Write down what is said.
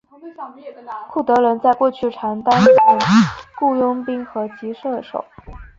库德人在过去常担任雇佣兵和骑射手。